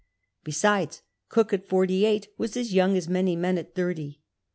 Besides, Cook at forty eight was as young as many men at thirty.